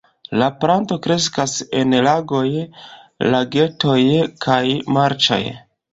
La planto kreskas en lagoj, lagetoj kaj marĉoj.